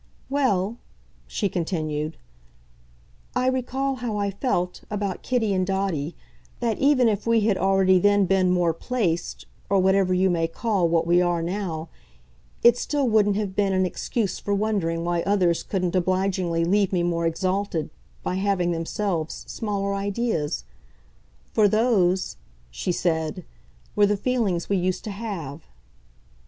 "Well," she continued, "I recall how I felt, about Kitty and Dotty, that even if we had already then been more 'placed,' or whatever you may call what we are now, it still wouldn't have been an excuse for wondering why others couldn't obligingly leave me more exalted by having, themselves, smaller ideas. For those," she said, "were the feelings we used to have."